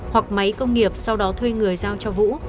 hoặc máy công nghiệp sau đó thuê người giao cho vũ